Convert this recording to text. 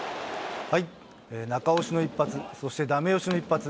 中押しの一発、そしてだめ押しの一発。